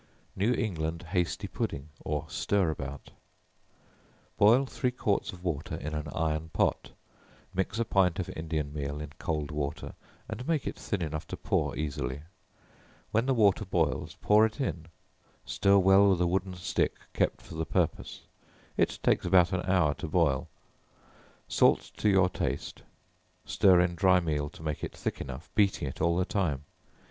New England Hasty Pudding, or Stir about. Boil three quarts of water in an iron pot; mix a pint of Indian meal in cold water, and make it thin enough to pour easily; when the water boils, pour it in; stir well with a wooden stick kept for the purpose; it takes about an hour to boil; salt to your taste; stir in dry meal to make it thick enough, beating it all the time.